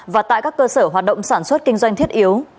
và tại các cơ sở hoạt động sản xuất kinh doanh thiết yếu